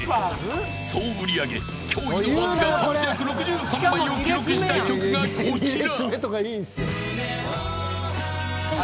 総売り上げ驚異のわずか３６３枚を記録した曲がこちら。